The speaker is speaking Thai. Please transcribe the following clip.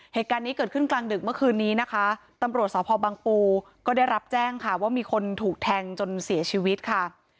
เหตุการณ์นี้เกิดขึ้นกลางดึกเมื่อคืนนี้นะคะตำรวจสพบังปูก็ได้รับแจ้งค่ะว่ามีคนถูกแทงจนเสียชีวิตค่ะ